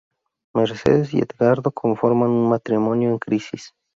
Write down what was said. Mercedes y Edgardo conforman un matrimonio en crisis.